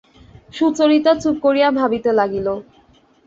সুচরিতা চুপ করিয়া ভাবিতে লাগিল।